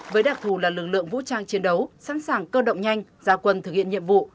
với đặc thù là lực lượng vũ trang chiến đấu sẵn sàng cơ động nhanh gia quân thực hiện nhiệm vụ